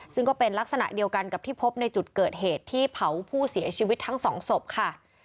ซึ่งก็เป็นลักษณะเดียวกันกับที่พบในจุดเกิดเหตุที่เผาผู้เสียชีวิตทั้งสองศพค่ะ